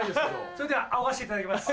それではあおがしていただきます。